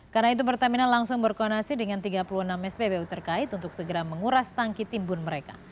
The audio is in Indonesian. karena itu pertamina langsung berkonasi dengan tiga puluh enam spbu terkait untuk segera menguras tangki timbun mereka